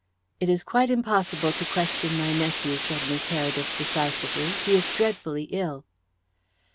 "It is quite impossible to question my nephew," said Miss Heredith decisively. "He is dreadfully ill."